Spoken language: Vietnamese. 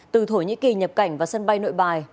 từ thổ nhĩ kỳ nhập cảnh vào sân bay nội bài